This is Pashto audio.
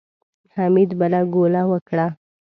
حميد بله ګوله وکړه.